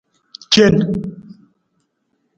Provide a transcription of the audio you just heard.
Cen.